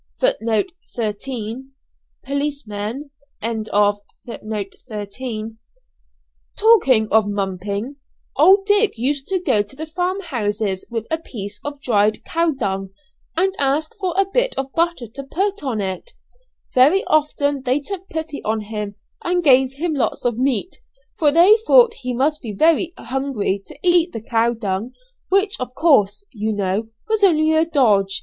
Talking of mumping: old Dick used to go to the farm houses with a piece of dried cow dung, and ask for a bit of butter to put on it. Very often they took pity on him and gave him lots of meat; for they thought he must be very hungry to eat the cow dung, which of course, you know, was only a dodge.